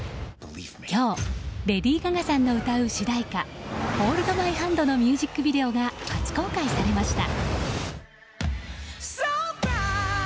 今日レディー・ガガさんが歌う主題歌「ＨｏｌｄＭｙＨａｎｄ」のミュージックビデオが初公開されました。